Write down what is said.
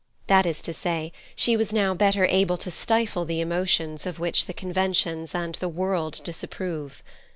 That is to say, she was now better able to stifle the emotions of which the conventions and the world disapprove.